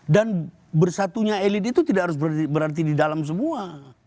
dan bersatunya elit itu tidak harus berarti di dalam semua